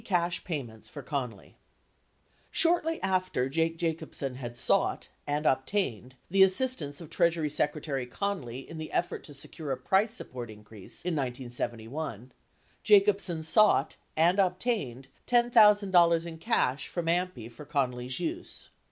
AMPI Cash Payments foe Connally Shortly after Jake Jacobsen had sought — and obtained — the assist ance of Treasury Secretary Connally in the effort to secure a price support increase in 1971, Jacobsen sought — and obtained — $10,000 in cash from AMPI for Connally 's use.